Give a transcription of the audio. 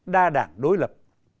đa đảng đối lập